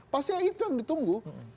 pastinya itu yang ditunggu